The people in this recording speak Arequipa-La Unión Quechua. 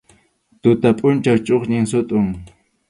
Tuta pʼunchaw chʼuqñin sutʼun.